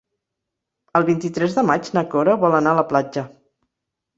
El vint-i-tres de maig na Cora vol anar a la platja.